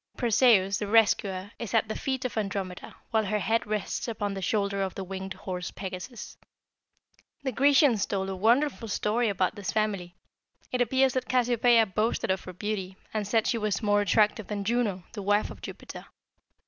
Perseus, the rescuer, is at the feet of Andromeda, while her head rests upon the shoulder of the winged horse Pegasus. "The Grecians told a wonderful story about this family. It appears that Cassiopeia boasted of her beauty, and said she was more attractive than Juno, the wife of Jupiter.